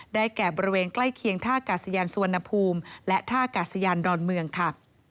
แก่บริเวณใกล้เคียงท่ากาศยานสุวรรณภูมิและท่ากาศยานดอนเมืองค่ะ